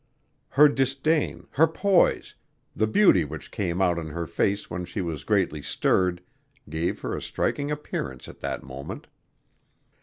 Her disdain, her poise, the beauty which came out on her face when she was greatly stirred, gave her a striking appearance at that moment.